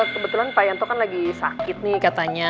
kebetulan pak yanto kan lagi sakit nih katanya